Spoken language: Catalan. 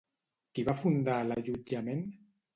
Qui va fundar l'allotjament?